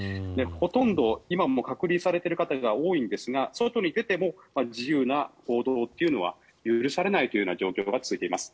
ほとんど今も隔離されている方が多いんですが外に出ても自由な行動というのは許されないという状況が続いています。